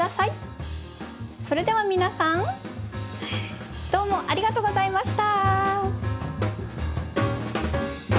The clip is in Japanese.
それでは皆さんどうもありがとうございました！